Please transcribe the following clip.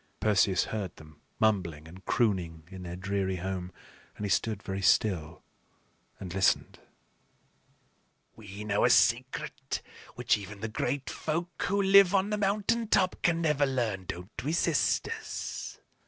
Perseus heard them mumbling and crooning in their dreary home, and he stood very still and listened. "We know a secret which even the Great Folk who live on the mountain top can never learn; don't we, sisters?"